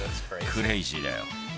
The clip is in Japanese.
クレイジーだよ。